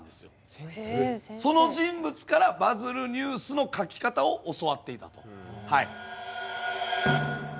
その人物からバズるニュースの書き方を教わっていたと。